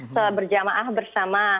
selalu berjamaah bersama